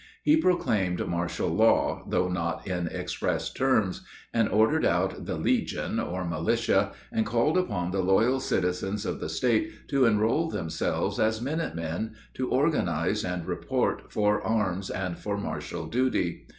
He proclaimed martial law, though not in express terms, and ordered out the "Legion," or militia, and called upon the loyal citizens of the State to enroll themselves as minute men, to organize and report for arms and for martial duty.